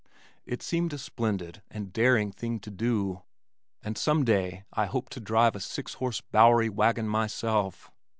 It seemed a splendid and daring thing to do, and some day I hoped to drive a six horse bowery wagon myself.